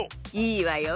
いいわよ。